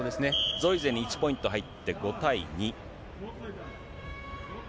ゾイゼに１ポイント入って５対２。